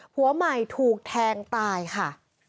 ผัวใหม่ถูกแทงตายค่ะ